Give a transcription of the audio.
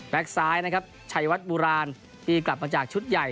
แบ็คซ้ายชายวัดบุราณที่กลับมาจากชุดใหญ่